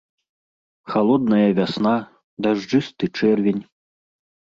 Халодная вясна, дажджысты чэрвень.